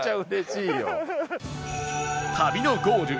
旅のゴール